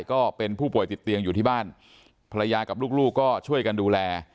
ก็เป็นผู้ป่วยติดเตียงอยู่ที่บ้านภรรยากับลูกก็ช่วยกันดูแล